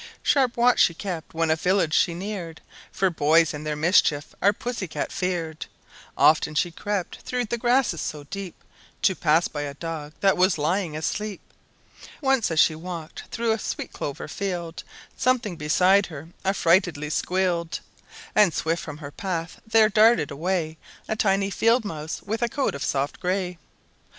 Sharp watch she kept when a village she neared, For boys and their mischief our Pussy cat feared. Often she crept through the grasses so deep To pass by a dog that was lying asleep. Once, as she walked through a sweet clover field, Something beside her affrightedly squealed, And swift from her path there darted away A tiny field mouse, with a coat of soft gray.